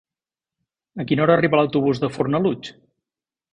A quina hora arriba l'autobús de Fornalutx?